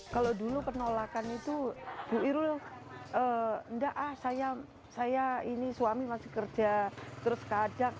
kalau dulu penolakan itu bu irul enggak ah saya ini suami masih kerja terus keajak